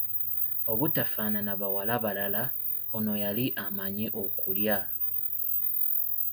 Obutafaanana bawala balala ono yali amanyi okulya.